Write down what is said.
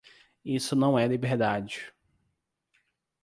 Isso não é liberdade.